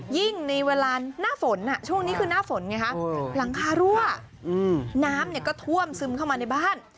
ในเวลาหน้าฝนช่วงนี้คือหน้าฝนไงคะหลังคารั่วน้ำก็ท่วมซึมเข้ามาในบ้าน